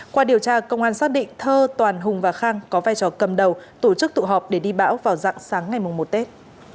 qua điều tra công an xác định thơ toàn hùng và khang có vai trò cầm đầu tổ chức tụ họp để đi bão vào dạng sáng ngày một tết